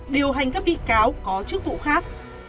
điều hành các bị cáo có chức vụ khác